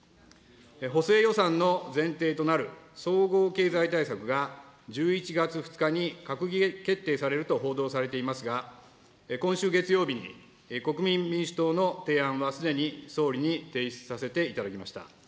補正予算の前提となる総合経済対策が１１月２日に閣議決定されると報道されていますが、今週月曜日に国民民主党の提案はすでに総理に提出させていただきました。